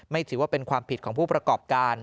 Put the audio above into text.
ถือว่าเป็นความผิดของผู้ประกอบการ